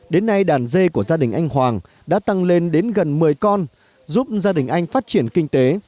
đến nay đàn dê của gia đình anh hoàng đã tăng lên đến gần một mươi con giúp gia đình anh phát triển kinh tế